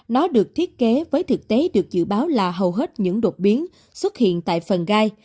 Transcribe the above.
nó được thiết kế với thực tế được dự báo là hầu hết những đột biến xuất hiện tại phần gai